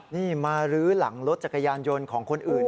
นี่มาลื้อหลังรถจักรยานยนต์ของคนอื่น